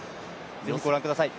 是非ご覧ください。